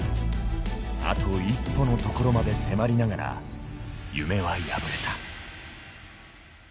あと一歩のところまで迫りながら、夢は破れた。